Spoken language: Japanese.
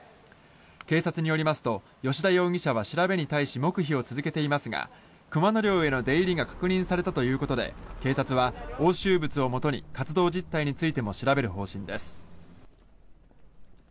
警察によりますと吉田容疑者は調べに対し黙秘を続けていますが熊野寮への出入りが確認されたということで警察は押収物をもとに活動実態についても調べる方針です。